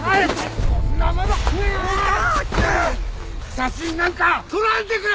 写真なんか撮らんでくれ！！